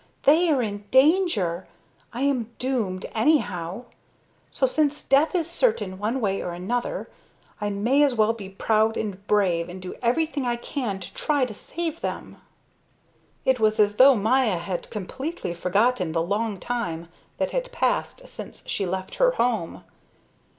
They are in danger. I am doomed anyhow. So since death is certain one way or another, I may as well be proud and brave and do everything I can to try to save them." It was as though Maya had completely forgotten the long time that had passed since she left her home.